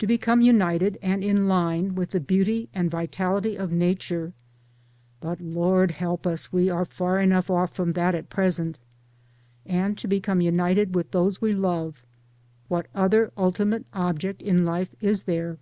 To become united and in line with the beauty and vitality of Nature (but, Lord help us I we are far enough off from that at present), and to become united with those we love what other ultimate object in life is there?